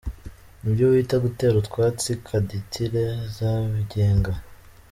Nibyo wita gutera utwatsi Kaditire z’abigenga?